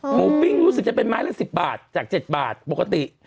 ปิ้งรู้สึกจะเป็นไม้ละ๑๐บาทจาก๗บาทปกติ